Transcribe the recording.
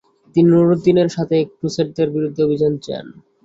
তিনি নুরউদ্দিনের সাথে ক্রুসেডারদের বিরুদ্ধে অভিযানে যান।